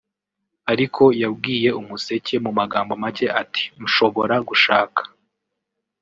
ariko yabwiye Umuseke mu magambo make ati “Nshobora gushaka